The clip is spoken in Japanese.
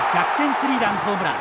スリーランホームラン。